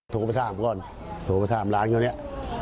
โทรไปท่ามก่อนโทรไปท่ามหลานเงินเนี่ย